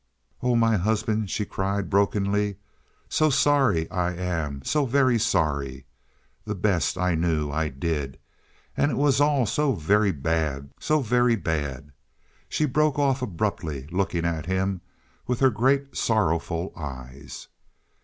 "Oh, my husband," she cried brokenly. "So sorry I am so very sorry. The best I knew I did. And it was all so very bad so very bad " she broke off abruptly, looking at him with her great, sorrowful eyes.